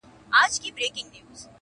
د خوشحال پر لار چي نه درومي پښتونه,